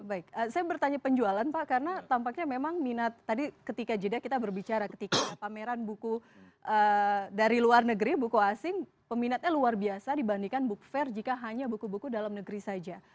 baik saya bertanya penjualan pak karena tampaknya memang minat tadi ketika jeda kita berbicara ketika pameran buku dari luar negeri buku asing peminatnya luar biasa dibandingkan buku fair jika hanya buku buku dalam negeri saja